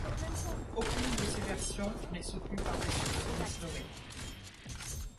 Aucune de ces versions n'est soutenue par des sources historiques.